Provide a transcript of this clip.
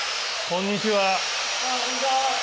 こんにちは。